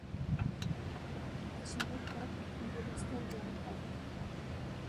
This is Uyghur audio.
ئۇ: «مەن كەشمىرلىك» دەپ ئىنگلىزچە جاۋاب بەردى.